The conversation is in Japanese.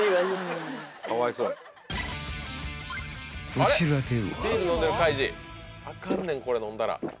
［こちらでは］